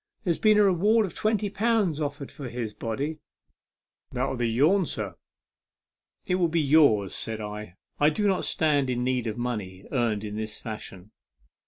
There's been a reward of twenty pounds offered for his body. That'll be yourn, sir." " It will be yours," said I. " I do not stand in need of money earned in this fashion."